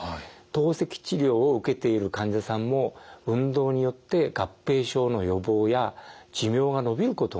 透析治療を受けている患者さんも運動によって合併症の予防や寿命がのびることがはっきりしています。